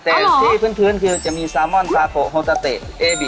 แต่ที่พื้นคือจะมีซามอนซาโกโฮตาเตะเอบี